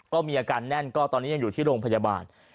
ก็มีอาการแน่นก็ตอนนี้ยังอยู่ที่โรงพยาบาล